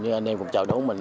như anh em cũng chào đón mình